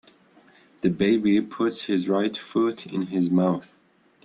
The baby puts his right foot in his mouth.